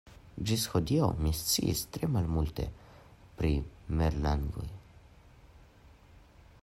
Ĝis hodiaŭ mi sciis tre malmulte pri merlangoj.